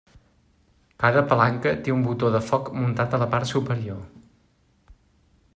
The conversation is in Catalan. Cada palanca té un botó de foc muntat a la part superior.